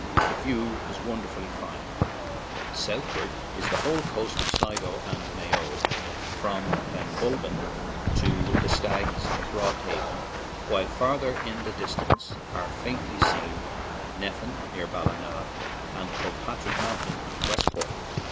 The view is wonderfully fine; southward is the whole coast of Sligo and Mayo, from Benbulbin to the Stags of Broadhaven; while farther in the dis tance are faintly seen Nephin, near Ballina, and Croagh Patrick Mountain at Westport.